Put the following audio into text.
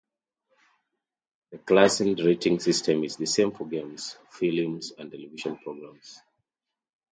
The ClassInd rating system is the same for games, films and television programs.